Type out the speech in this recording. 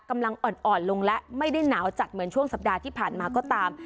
กำลังอ่อนลงและไม่ได้หนาวจัดเหมือนช่วงสัปดาห์ที่ผ่านมาก็ตาม